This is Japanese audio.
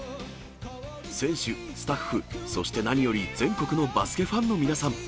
選手、スタッフ、そして何より全国のバスケファンの皆さん。